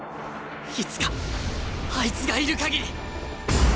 いつかあいつがいる限り！